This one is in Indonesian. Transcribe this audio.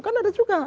kan ada juga